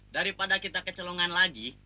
daripada kita kecelongan lagi